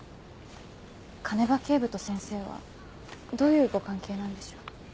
鐘場警部と先生はどういうご関係なんでしょう？